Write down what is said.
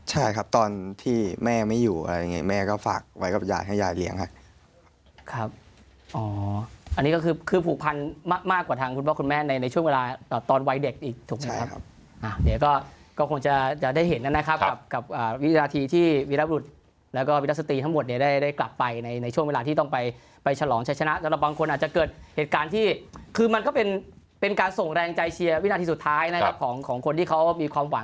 ใช่ครับตอนที่แม่ไม่อยู่อะไรอย่างเงี้ยแม่ก็ฝากไว้กับยายให้ยายเลี้ยงค่ะ